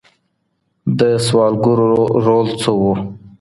د سوداګرو رول څه و؟